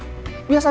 tidak ada yang marah